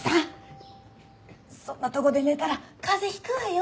そんなとこで寝たら風邪引くわよ。